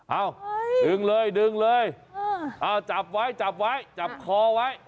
ดึงเลยดึงเลยจับไว้จับไว้จับคอไว้